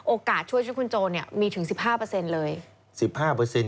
โอกาสช่วยช่วยคุณโจเนี่ยมีถึง๑๕เลย